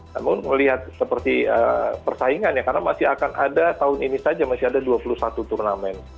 namun melihat seperti persaingannya karena masih akan ada tahun ini saja masih ada dua puluh satu turnamen